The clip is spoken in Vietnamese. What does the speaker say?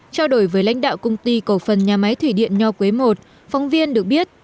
trao đổi với lãnh đạo công ty cổ phần nhà máy thủy điện nho quế i phóng viên được biết